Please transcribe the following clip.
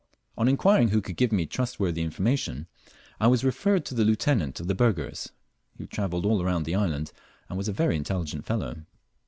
On inquiring who could give me trustworthy information, I was referred to the Lieutenant of the Burghers, who had travelled all round the island, and was a very intelligent fellow.